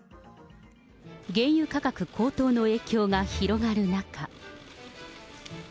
原油価格高騰の影響が広がる中。